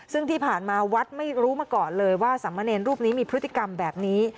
ซึ่งที่ผ่านมาวัดไม่รู้มาก่อนเลยว่าสามเณรรูปนี้มีพฤติกรรมแบบนี้